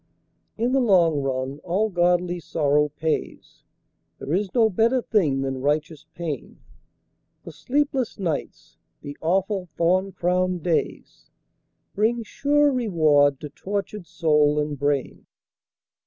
In the long run all godly sorrow pays, There is no better thing than righteous pain, The sleepless nights, the awful thorn crowned days, Bring sure reward to tortured soul and brain.